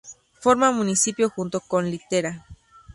Forma municipio junto con Litera.